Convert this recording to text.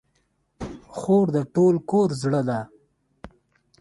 خور د ټول کور زړه ده.